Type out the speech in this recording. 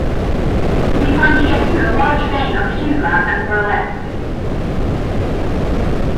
We find here too a large vein of humour and burlesque.